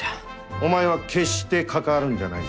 お前は決して関わるんじゃないぞ。